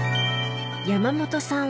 山本さん